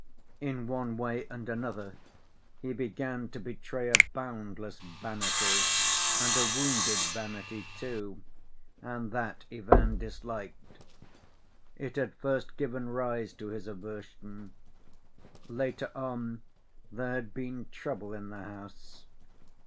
In one way and another, he began to betray a boundless vanity, and a wounded vanity, too, and that Ivan disliked. It had first given rise to his aversion. Later on, there had been trouble in the house.